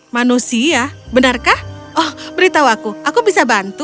manusia benarkah oh beritahu aku aku bisa bantu